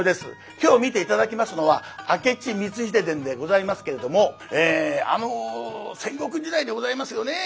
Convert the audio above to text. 今日見て頂きますのは「明智光秀伝」でございますけれどもあの戦国時代でございますよね。